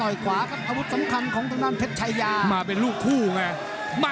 อยากดูเจมาให้ตอนนั้นเหรอคุณผู้ชม